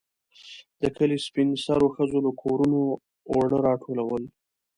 د کلي سپين سرو ښځو له کورونو اوړه راټولول.